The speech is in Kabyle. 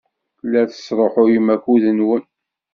La tesṛuḥuyem akud-nwen.